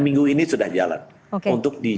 minggu ini sudah jalan untuk di